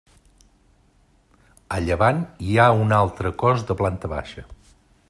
A llevant hi ha un altre cos de planta baixa.